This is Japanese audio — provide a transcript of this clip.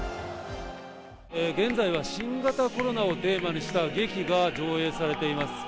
現在は新型コロナをテーマにした劇が上映されています。